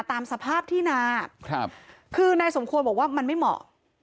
ตามสภาพที่นาครับคือนายสมควรบอกว่ามันไม่เหมาะ